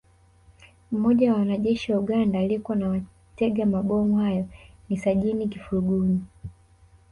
Mmoja wa wanajeshi wa Uganda aliyekuwa na watega mabomu hayo ni Sajini Kifulugunyu